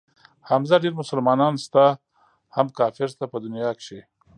حمزه ډېر مسلمانان شته هم کافر شته په دنيا کښې.